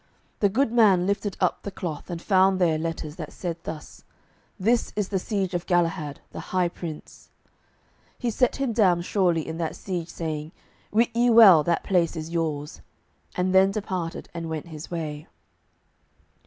The good man lifted up the cloth, and found there letters that said thus: "This is the siege of Galahad, the high prince." He set him down surely in that siege, saying, "Wit ye well that place is yours," and then, departed and went his way.